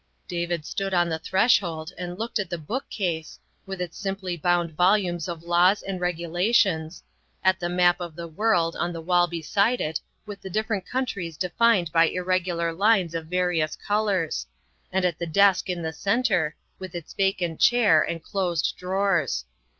David stood on the threshold and looked at the bookcase, with its simply bound volumes of laws and regulations ; at the map of the world on the wall beside it, with the different countries defined by irregular lines of various colors; and at the desk in the centre, with its vacant chair and closed drawers.